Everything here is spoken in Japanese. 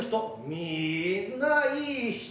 みんないい人。